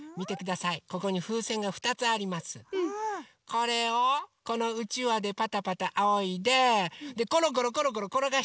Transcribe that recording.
これをこのうちわでパタパタあおいでころころころころころがしていくのね。